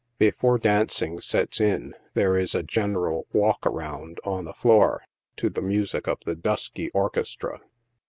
Before dancing sets in, there is a general " walk around" on the floor, to the music of the dusky orchestra.